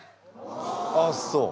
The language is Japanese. ああそう。